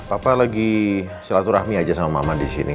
papa lagi silaturahmi aja sama mama disini